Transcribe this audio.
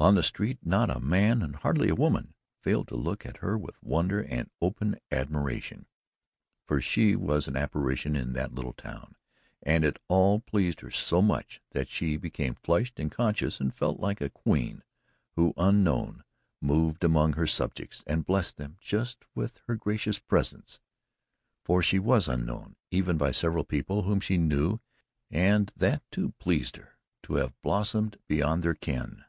On the street not a man and hardly a woman failed to look at her with wonder and open admiration, for she was an apparition in that little town and it all pleased her so much that she became flushed and conscious and felt like a queen who, unknown, moved among her subjects and blessed them just with her gracious presence. For she was unknown even by several people whom she knew and that, too, pleased her to have bloomed so quite beyond their ken.